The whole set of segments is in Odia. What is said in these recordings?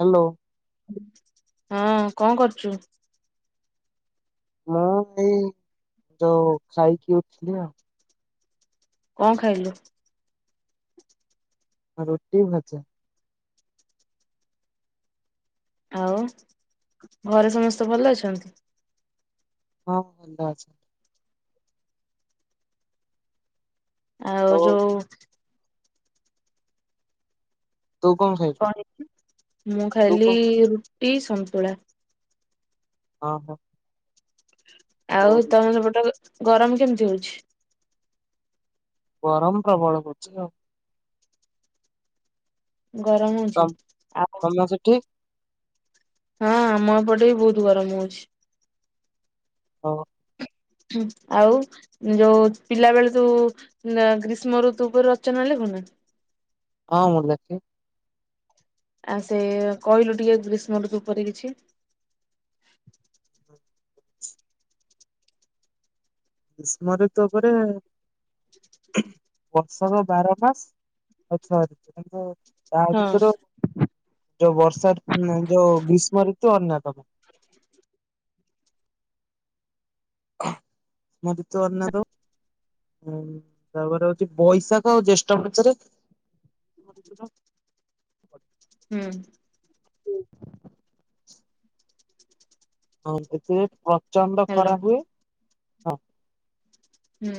ହ୍ୟାଲୋ। ହଁ କଣ କରୁଚୁ? ମୁଁ ଏଇ ଯୋଉ ଖାଇକି ଉଠିଲି ଆଉ। କଣ ଖାଇଲୁ? ଉ ରୁଟି, ଭଜା। ଆଉ ଘରେ ସମସ୍ତେ ଭଲ ଅଛନ୍ତି? ହଁ ଭଲ ଅଛନ୍ତି। ଆଉ ଯୋଉ ତୁ କଣ ଖାଇଲୁ? କଣ ହେ ମୁଁ ଖାଇଲି ରୁଟି, ସନ୍ତୁଳା। ଅହ। ଆଉ ତମେର ପଟେ ଗରମ କେମିତି ହଉଚି? ଗରମ ପ୍ରବଳ ହଉଚି ତ? ଗରମ ଅଛି ଆଉ ହଁ ସେଠି? ହଁ ଆମ ଏପଟେ ବି ବହୁତ ଗରମ ହଉଛି? ହଁ। ହଁ ଆଉ ଯୋଉ ପିଲା ବେଳେ ତୁ ଗ୍ରୀଷ୍ମ ଋତୁ ଉପରେ ରଚନ ଲେଖୁ ନା? ହଁ ମୁଁ ଲେଖେ। ଆ ସେ କହିଲୁ ଟିକେ ଗ୍ରୀଷ୍ମ ଋତୁ ଉପରେ କିଛି? ଗ୍ରୀଷ୍ମ ଋତୁ ଉପରେ ବର୍ଷକ ବାର ମାସ ଆଉ ଛଅ ରିତୁ [unintelligible] ତା ହଁ ଭିତରୁ ଯୋଉ ବର୍ଷା ଋତୁ ନା ଯୋଉ ଗ୍ରୀଷ୍ମ ଋତୁ ଅନ୍ୟତମ। ଗ୍ରୀଷ୍ମ ଋତୁ ଅନ୍ୟତମ। ହଁ ତାପରେ ହୋଉଛି ବୈଶାଖ ଆଉ ଜ୍ୟେଷ୍ଠ ମାସରେ ଋତୁଟା ହୁଁ। ହୁଏ। ହଁ ଏଥିରେ ପ୍ରଚଣ୍ଡ ହ୍ୟାଲୋ ଖରା ହୁଏ। ହଁ ହୁଁ।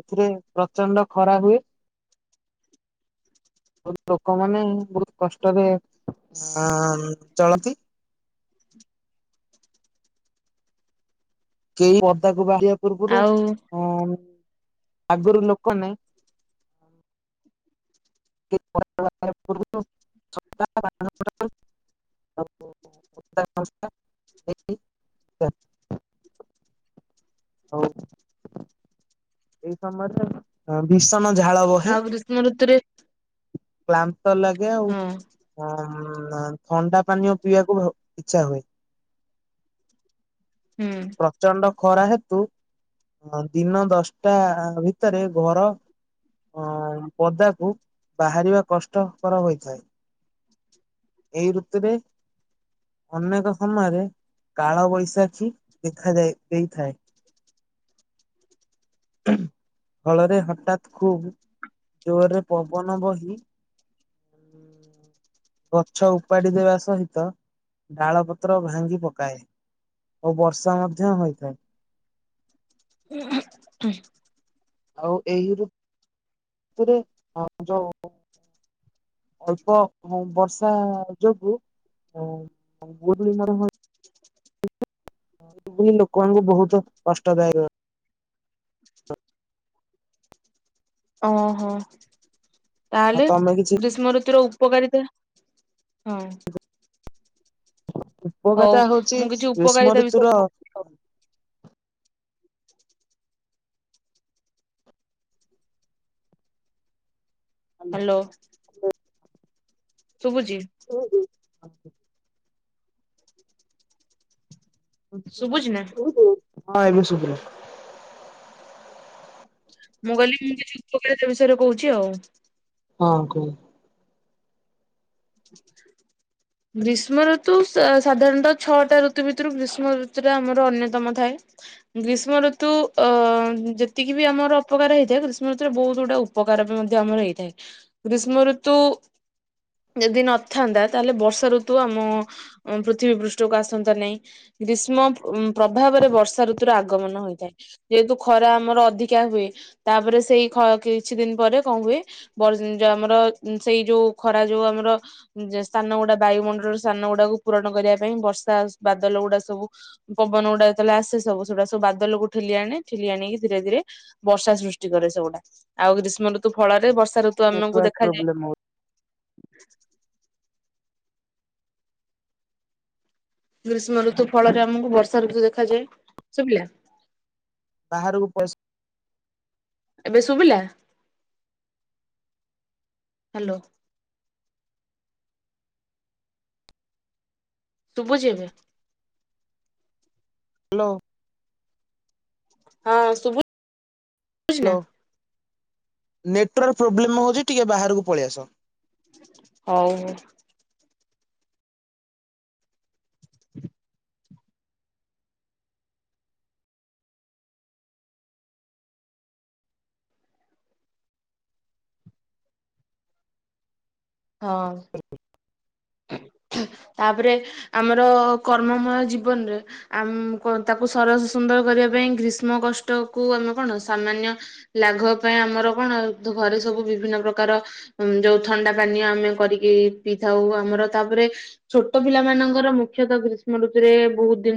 ଏଥିରେ ପ୍ରଚଣ୍ଡ ଖରା ହୁଏ। ବ ଲୋକମାନେ ବହୁତ କଷ୍ଟରେ ଅଁ ଚଳନ୍ତି। କେହି ପଦାକୁ ବାହାରିବା ପୂର୍ବରୁ ଆଉ ଅଁ ଆଗରୁ ଲୋକନେ [unintelligible] [unintelligible] ହଉ। ଏଇ ସମୟରେ ଭୀଷଣ ଝାଳ ବହେ। ମୁଁ ଋତୁ ରେ କ୍ଳାନ୍ତ ଲାଗେ ଆଉ ଥଣ୍ଡା ପାନୀୟ ପିଇବାକୁ ଇଚ୍ଛା ହୁଏ। ହୁଁ। ପ୍ରଚଣ୍ଡ ଖରା ହେତୁ ଅଁ ଦିନ ଦଶଟା ଭିତରେ ଘର ଅଁ ପଦାକୁ ବାହାରିବା କଷ୍ଟକର ହୋଇଥାଏ। ଏଇ ଋତୁରେ ଅନେକ ସମୟରେ କାଳବୈଶାଖୀ ଦେଖାଯାଏ ଦେଇଥାଏ। ଫଳରେ ହଠାତ୍ ଖୁବ ଜୋରରେ ପବନ ବହି ଗଛ ଉପାଡ଼ି ଦେବା ସହିତ ଡ଼ାଳ ପତ୍ର ଭାଙ୍ଗି ପକାଏ। ଓ ବର୍ଷା ମଧ୍ୟ ହୋଇଥାଏ। ଉହୁଁ ଉଁ ଆଉ ଏହି ଋ ତୁରେ [unintelligible] ଅଳ୍ପ ହୋ ବର୍ଷା ଯୋଗୁ ଅଁ [unintelligible] [unintelligible] ଲୋକମାନଙ୍କୁ ବହୁତ କଷ୍ଟଦାୟକ। ଓହୋ ଆଉ ତାହେଲେ ତମେ କିଛି ଗ୍ରୀଷ୍ମ ଋତୁୁର ଉପକାରିତା? ହଁ। ହଉ ଉପକାରିତା ହଉଛି ମୁଁ କିଛି ଗ୍ରୀଷ୍ମ ଉପକାରିତା ବିଷୟରେ ଋତୁର କହୁଛି ଆଉ। ହାଲୋ ହ ଶୁଭୁଚି। [inaudible] ଶୁଭୁଛି ନା ହଁ ଏବେ ଶୁବିଲା। ମୁଁ କହିଲି ମୁଁ କିଛି ଉପକାରିତା ବିଷୟରେ କହୁଚି ଆଉ। ହଁ କୁହ। [inaudible] ଗ୍ରୀଷ୍ମ ଋତୁ ସା- ସାଧାରଣତଃ ଛଅଟା ଋତୁ ଭିତରୁ ଗ୍ରୀଷ୍ମ ଋତୁ ଟା ଆମର ଅନ୍ୟତମ ଥାଏ। ଗ୍ରୀଷ୍ମ ଋତୁ ଅ -ଯେତିକି ବି ଆମର ଅପକାର ହେଇଥାଏ ଗ୍ରୀଷ୍ମ ଋତୁରେ ବହୁତ୍ ଗୁଡା ଉ ଉପକାର ବି ମଧ୍ୟ ଆମର ହେଇଥାଏ ଗ୍ରୀଷ୍ମ ଋତୁ ଯଦି ନଥାନ୍ତା ତାହେଲେ ବର୍ଷା ଋତୁ ଆମ ପୃଥିବୀ ପୃଷ୍ଠକୁ ଆସନ୍ତା ନେଇଁ। ଗ୍ରୀଷ୍ମ ଉଁ- ପ୍ରଭାବରେ ବର୍ଷା ଋତୁର ଆଗମନ ହୋଇଥାଏ। ଯେହେତୁ ଖରା ଆମର ଅଧିକା ହୁଏ ତାପରେ ସେଇ ଖ -କିଛି ଦିନ୍ ପରେ କଣ୍ ହୁଏ [unintelligible] ଯଉ ଆମର ସେଇ ଯଉ ଖରା ଯଉ ଆମର ଯେ ସ୍ଥାନ ଗୁଡା ବାୟୁମଣ୍ଡଳର ସ୍ଥାନ ଗୁଡାକୁ ପୂରଣ କରିବା ପାଇଁ ବର୍ଷା ବାଦଲ ଗୁଡା ସବୁ ପବନ ଗୁଡା ଯେତେବେଳେ ଆସେ ସବୁ ସେଟା ସବୁ ବାଦଲକୁ ଠେଲି ଆଣେ ଠେଲି ଆଣିକି ଧୀରେ ଧୀରେ ବର୍ଷା ସୃଷ୍ଟି କରେ ସେଗୁଡା ଆଉ ଗ୍ରୀଷ୍ମ ଋତୁ ଫଳରେ ବର୍ଷା ଋତୁ ଆମକୁ ନେଟୱାର୍କ୍ ଦେଖାଯାଏ ପ୍ରୋବ୍ଲେମ୍ ହଉଚି। [inaudible] ଗ୍ରୀଷ୍ମ ଋତୁ ଫଳରେ ଆମକୁ ବର୍ଷା ଋତୁ ଦେଖାଯାଏ। ଶୁବିଲା। ବାହାରକୁ ପଇସା ଏବେ ଶୁବିଲା? ହାଲୋ। ଶୁବୁଚି ଏବେ? ହାଲୋ। ହଁ ଶୁୁବୁଚ୍ ହାଲୋ ନେଟୱାର୍କ୍ ପ୍ରୋବ୍ଲେମ୍ ହଉଚି ଟିକେ ବାହାରକୁ ପଳେଇ ଆସ। ହଉ- ହଉ। ହ [inaudible] ହଁ। ତାପରେ ଆମର କର୍ମମୟ ଜୀବନରେ ଆମ ତାକୁ ସରସ ସୁନ୍ଦର କରିବା ପାଇଁ ଗ୍ରୀଷ୍ମ କଷ୍ଟ କୁ ଆମେ କଣ ସାମାନ୍ୟ ଲାଘବ ପାଇଁ ଆମର କଣ ଘରେ ସବୁ ବିଭିନ୍ନ ପ୍ରକାର ଯଉ ଥଣ୍ଡା ପାନୀୟ ଆମେ କରିକି ପିଇଥାଉ ଆମର ତାପରେ ଛୋଟ ପିଲା ମାନଙ୍କର ମୁଖ୍ୟତ ଗ୍ରୀଷ୍ମଋତୁରେ ବହୁତ୍ ଦିନ୍